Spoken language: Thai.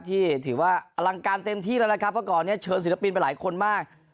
ที่ถือว่าอลังการเต็มที่แล้วนะครับเพราะก่อนเนี่ยเชิญศิลปินไปหลายคนมาก